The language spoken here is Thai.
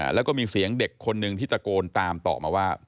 แล้วก็มีเสียงเด็กคนหนึ่งที่ตะโกนตามต่อมาว่า